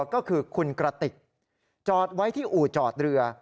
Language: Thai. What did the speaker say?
ก็คือคุณกระติกจอดไว้ที่อู่จอดเรือ